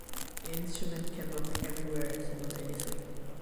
The instrument can look everywhere simultaneously.